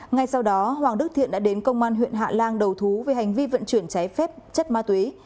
ngay sau đó hoàng đức thiện đã đến công an huyện hạ lan đầu thú về hành vi vận chuyển cháy phép chất ma túy